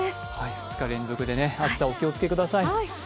２日連続で暑さ、お気をつけください。